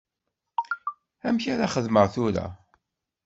Amek ara xedmeɣ tura?